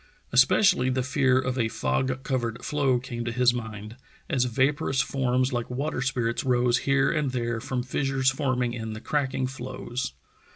Es pecially the fear of a fog covered floe came to his mind, as vaporous forms like water spirits rose here and there from fissures forming in the cracking floes.